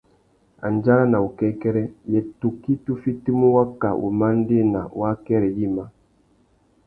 Andjara na wukêkêrê : yê tukí tu fitimú waka wumandēna wa akêrê yïmá ?